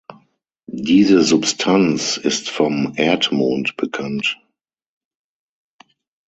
Diese Substanz ist vom Erdmond bekannt.